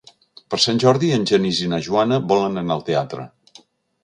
Per Sant Jordi en Genís i na Joana volen anar al teatre.